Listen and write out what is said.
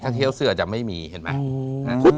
ถ้าเที่ยวเสื้อจะไม่มีเห็นไหม